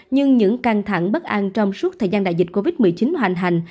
nhưng những căng thẳng bất an trong suốt thời gian đại dịch covid một mươi chín hoành hành